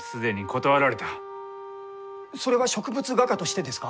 それは植物画家としてですか？